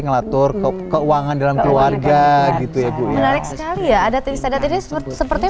ngelatur keuangan dalam keluarga gitu ya bu menarik sekali ya adat istiadat ini sepertinya